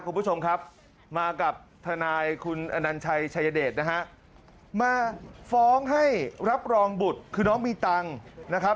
คุณผู้ชมครับมากับทนายคุณอนัญชัยชายเดชนะฮะมาฟ้องให้รับรองบุตรคือน้องมีตังค์นะครับ